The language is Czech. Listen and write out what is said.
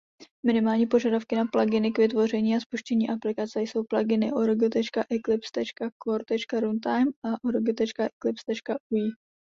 Minimální požadavky na pluginy k vytvoření a spuštění aplikace jsou pluginy "org.eclipse.core.runtime" a "org.eclipse.ui".